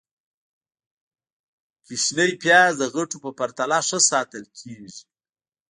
- کوچني پیاز د غټو په پرتله ښه ساتل کېږي.